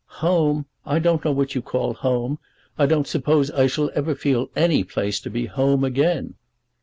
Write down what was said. "Home! I don't know what you call home. I don't suppose I shall ever feel any place to be home again."